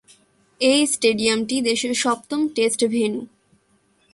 এ স্টেডিয়ামটি দেশের সপ্তম টেস্ট ভেন্যু।